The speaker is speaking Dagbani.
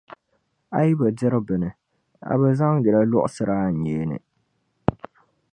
A yi bi diri bini a bi zaŋdi li luɣisiri a nyee ni.